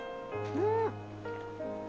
うん。